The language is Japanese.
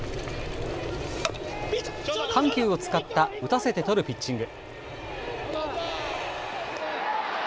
緩急を使った打たせて取るピッチング。